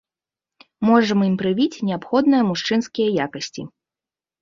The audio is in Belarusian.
Можам ім прывіць неабходныя мужчынскія якасці.